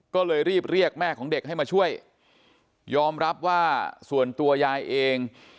ก็เลยรีบเรียกแม่ของเด็กให้มาช่วยยอมรับว่าส่วนตัวยายเอง